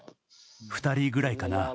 ２人ぐらいかな。